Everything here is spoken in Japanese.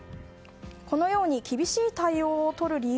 このように厳しい対応をとる理由。